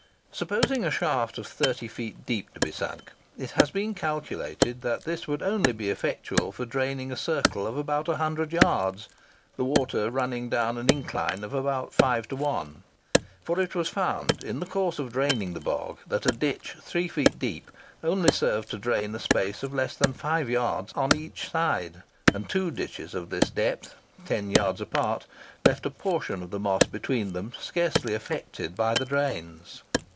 Supposing a shaft of 30 feet deep to be sunk, it has been calculated that this would only be effectual for draining a circle of about 100 yards, the water running down an incline of about 5 to 1; for it was found in the course of draining the bog, that a ditch 3 feet deep only served to drain a space of less than 5 yards on each side, and two ditches of this depth, 10 yards apart, left a portion of the Moss between them scarcely affected by the drains.